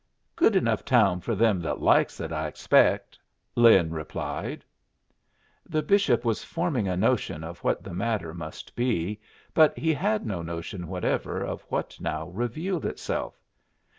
"Good enough town for them that likes it, I expect," Lin replied. The bishop was forming a notion of what the matter must be, but he had no notion whatever of what now revealed itself.